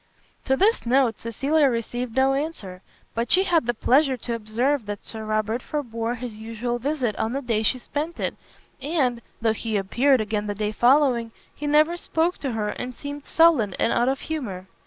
To this note Cecilia received no answer: but she had the pleasure to observe that Sir Robert forbore his usual visit on the day she sent it, and, though he appeared again the day following, he never spoke to her and seemed sullen and out of humour.